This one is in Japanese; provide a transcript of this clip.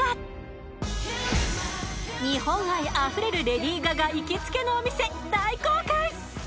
日本愛あふれるレディー・ガガ行きつけのお店大公開！